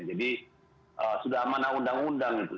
jadi sudah amanah undang undang itu